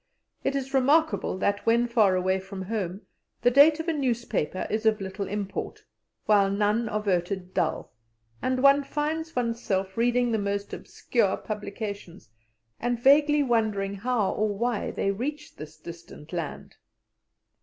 It is remarkable that, when far away from home, the date of a newspaper is of little import, while none are voted dull, and one finds oneself reading the most obscure publications, and vaguely wondering how or why they reached this distant land.